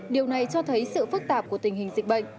điều này cho thấy sự phức tạp của tình hình dịch bệnh